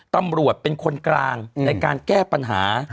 ตำรวจเป็นคนกลางในการแก้ปัญหา